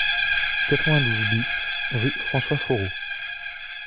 quatre-vingt-douze BIS rue François Foreau